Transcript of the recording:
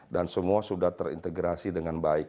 dan semua sudah terintegrasi dengan baik